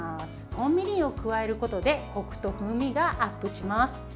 本みりんを加えることでこくと風味がアップします。